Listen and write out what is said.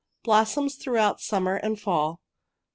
Blossoms throughout summer and fall.